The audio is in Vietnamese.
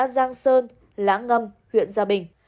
giang sơn lã ngâm huyện gia bình